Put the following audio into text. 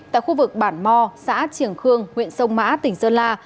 tại khu vực bản mò xã triềng khương huyện sông mã tỉnh sơn la